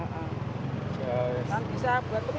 kan bisa buat pengatauan apa